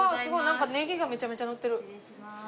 なんかネギがめちゃめちゃのってる。